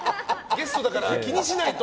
ゲストだから気にしないと！